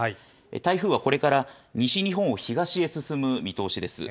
台風はこれから西日本を東へ進む見通しです。